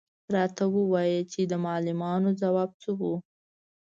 _راته ووايه چې د معلمانو ځواب څه و؟